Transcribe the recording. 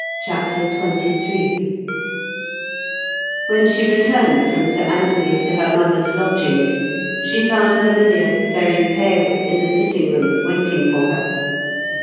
CHAPTER XXIII When she returned from Sir Anthony's to her mother's lodgings, she found Herminia, very pale, in the sitting room, waiting for her.